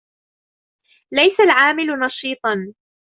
لَيْسَ الْعَامِلُ نَشِيطًا.